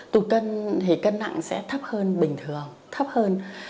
tụt cân thì cân nặng sẽ thấp hơn bình thường thấp hơn